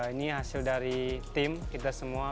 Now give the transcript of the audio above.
ini hasil dari tim kita semua